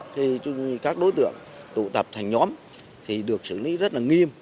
khi các đối tượng tụ tập thành nhóm thì được xử lý rất là nghiêm